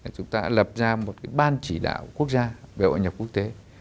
chúng ta đã lập ra một ban chỉ đạo quốc gia về hội nhập quốc tế